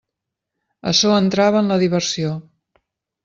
Açò entrava en la diversió.